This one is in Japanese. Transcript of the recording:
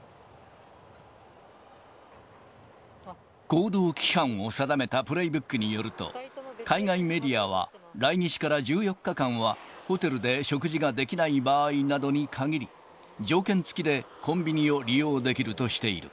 行動規範を定めたプレイブックによると、海外メディアは、来日から１４日間は、ホテルで食事ができない場合などに限り、条件付きでコンビニを利用できるとしている。